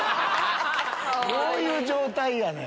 どういう状態やねん！